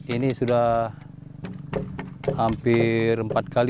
ini sudah hampir empat kali